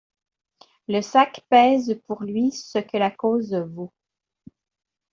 Le sac pèse pour lui ce que la cause vaut.